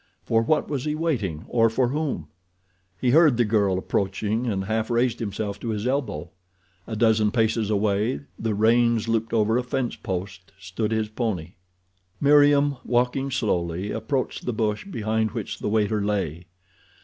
For what was he waiting, or for whom? He heard the girl approaching, and half raised himself to his elbow. A dozen paces away, the reins looped over a fence post, stood his pony. Meriem, walking slowly, approached the bush behind which the waiter lay.